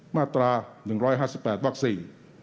มาตรา๑๕๘วัคซี